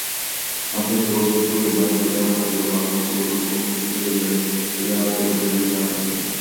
ამ შემთხვევაშიც პრობლემა ისე განვითარდა, რომ აღმოსავლურ-დასავლური შეხედულებანი წინააღმდეგობრივი აღმოჩნდა.